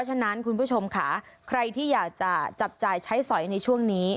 ฉะนั้นคุณผู้ชมค่ะใครที่อยากจะจับจ่ายใช้สอยในช่วงนี้